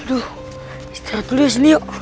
aduh istirahat dulu ya senio